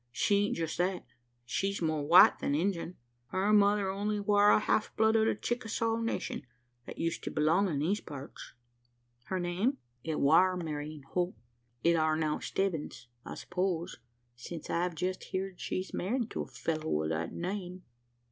She aint just that she's more white than Injun; her mother only war a half blood o' the Chicasaw nation, that used to belong in these parts." "Her name?" "It war Marian Holt. It are now Stebbins, I s'pose! since I've jest heerd she's married to a fellow o' that name."